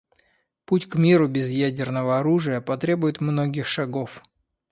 Путь к миру без ядерного оружия потребует многих шагов.